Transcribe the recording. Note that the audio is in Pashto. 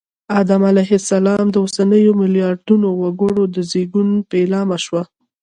آدم علیه السلام د اوسنیو ملیاردونو وګړو د زېږون پیلامه شوه